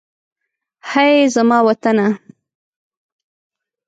هئ! زما وطنه.